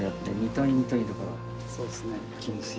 そうですね。